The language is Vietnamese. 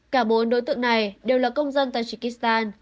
cả bốn đối tượng này đều là công dân tajikistan